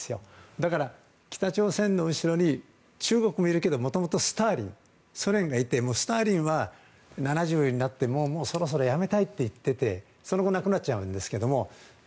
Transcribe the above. だから、北朝鮮の後ろに中国もいるけどもともとスターリン、ソ連がいてスターリンは７０になってもうそろそろやめたいと言っててその後亡くなっちゃうんですけども。